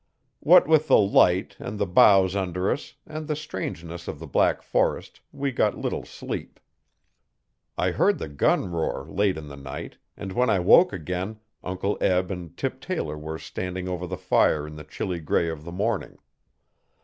What with the light, and the boughs under us, and the strangeness of the black forest we got little sleep. I heard the gun roar late in the night, and when I woke again Uncle Eb and Tip Taylor were standing over the fire in the chilly grey of the morning.